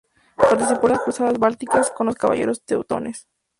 Participó en las cruzadas bálticas con los caballeros teutones.